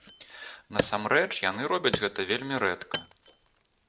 Насамрэч, яны робяць гэта вельмі рэдка.